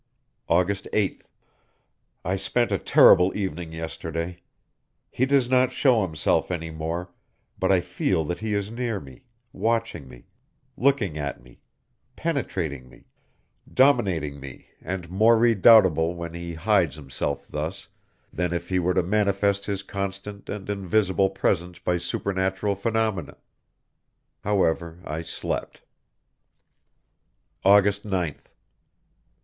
August 8th. I spent a terrible evening yesterday. He does not show himself any more, but I feel that he is near me, watching me, looking at me, penetrating me, dominating me and more redoubtable when he hides himself thus, than if he were to manifest his constant and invisible presence by supernatural phenomena. However, I slept. _August 9th.